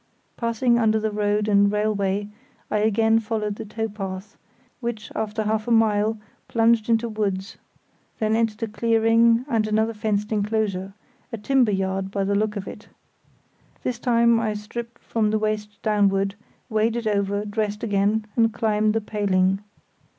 Passing under the road and railway, I again followed the tow path, which, after half a mile, plunged into woods, then entered a clearing and another fenced enclosure; a timber yard by the look of it. This time I stripped from the waist downward, waded over, dressed again, and climbed the paling.